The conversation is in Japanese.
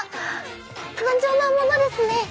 頑丈なものですね。